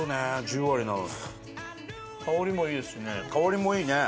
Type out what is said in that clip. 香りもいいですしね。